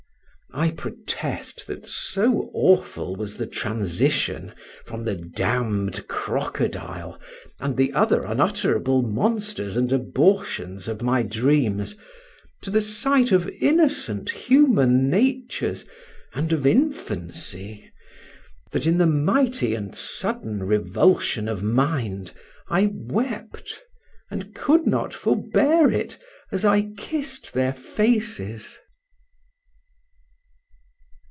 I protest that so awful was the transition from the damned crocodile, and the other unutterable monsters and abortions of my dreams, to the sight of innocent human natures and of infancy, that in the mighty and sudden revulsion of mind I wept, and could not forbear it, as I kissed their faces.